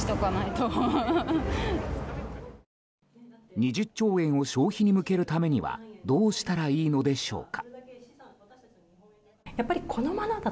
２０兆円を消費に向けるためにはどうしたらいいのでしょうか。